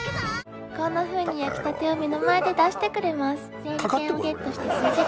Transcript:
「こんなふうに焼きたてを目の前で出してくれます」